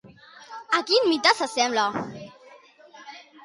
A quin mite s'assembla?